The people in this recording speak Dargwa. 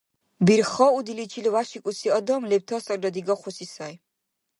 Бирхаудиличил вяшикӀуси адам лебтасалра дигахъуси сай.